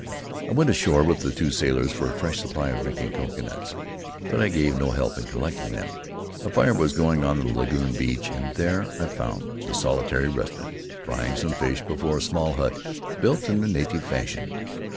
I went ashore with the two sailors for a fresh supply of drinking coconuts, but I gave no help in collecting them. A fire was going on the lagoon beach, and there I found the solitary resident frying some fish before a small hut built in the native fashion.